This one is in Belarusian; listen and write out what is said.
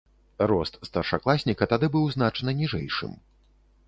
Рост старшакласніка тады быў значна ніжэйшым.